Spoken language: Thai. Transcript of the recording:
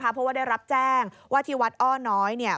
เพราะว่าได้รับแจ้งว่าที่วัดอ้อน้อยเนี่ย